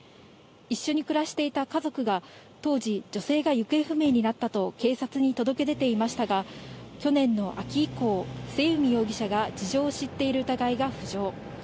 一緒に暮らしていた家族が当時、女性が行方不明になったと警察に届け出ていましたが、去年の秋以降、末海容疑者が事情を知っている疑いが浮上。